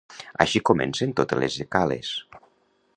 Així comencen totes les ecales.